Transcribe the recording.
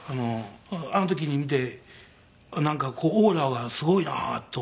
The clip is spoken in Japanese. あの時に見てなんかオーラがすごいなと。